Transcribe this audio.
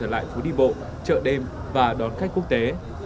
ở lại phố đi bộ chợ đêm và đón khách quốc tế